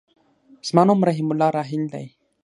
زما نوم رحيم الله راحل دی.